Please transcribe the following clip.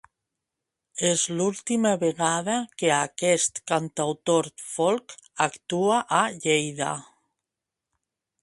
És l'última vegada que aquest cantautor folk actua a Lleida.